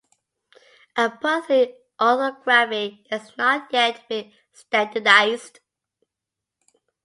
A Phuthi orthography has not yet been standardised.